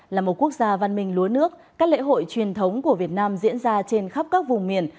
là một quốc gia văn minh lúa nước các lễ hội truyền thống của việt nam diễn ra trên khắp các vùng miền